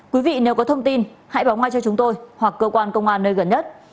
quý vị nếu có thông tin hãy báo ngay cho chúng tôi hoặc cơ quan công an nơi gần nhất